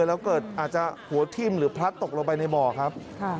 แล้วเกิดอาจจะหัวทิ่มหรือพลัดตกลงไปในบ่อครับ